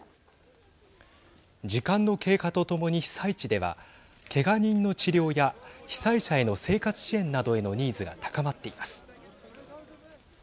時間の経過とともに被災地ではけが人の治療や被災者への生活支援などへのニーズが高まっています。